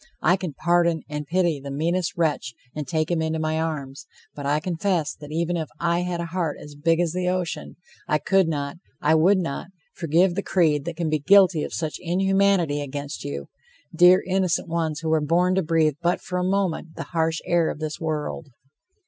I can pardon and pity the meanest wretch and take him into my arms, but I confess that even if I had a heart as big as the ocean, I could not, I would not, forgive the creed that can be guilty of such inhumanity against you, dear, innocent ones, who were born to breathe but for a moment the harsh air of this world!